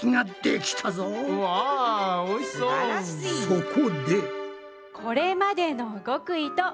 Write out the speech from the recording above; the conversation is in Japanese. そこで。